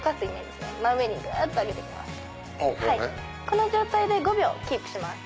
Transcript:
この状態で５秒キープします。